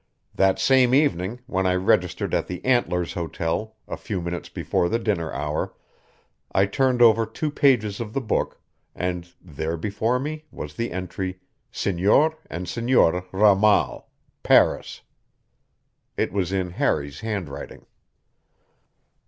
That same evening, when I registered at the Antlers Hotel, a few minutes before the dinner hour, I turned over two pages of the book, and there before me was the entry, "Senor and Senora Ramal, Paris." It was in Harry's handwriting.